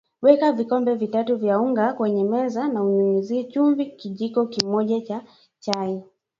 Weka vikombe vitatu vya unga kwenye meza na unyunyuzie chumvi kijiko moja cha chai